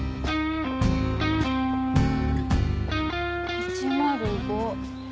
１０５。